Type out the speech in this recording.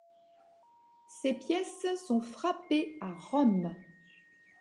Ces pièces sont frappées à Rome.